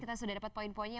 kita sudah dapat poin poinnya